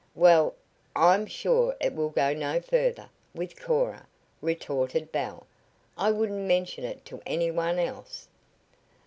"Well, I'm sure it will go no further with Cora," retorted Belle. "I wouldn't mention it to any one else."